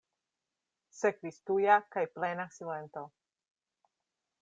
Sekvis tuja kaj plena silento.